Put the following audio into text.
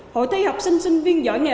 hội thi học sinh sinh viên giỏi nghề